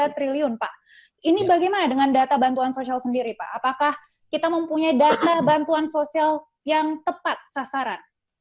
tiga triliun pak ini bagaimana dengan data bantuan sosial sendiri pak apakah kita mempunyai data bantuan sosial yang tepat sasaran